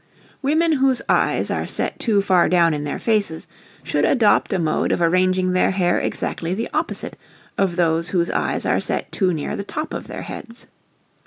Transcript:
Women whose eyes are set too far down in their faces should adopt a mode of arranging their hair exactly the opposite of those whose eyes are set too near the top of their heads.